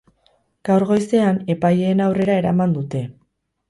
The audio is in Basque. Gaur goizean epaileen aurreran eraman dute.